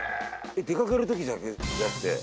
出かける時だけじゃなくて？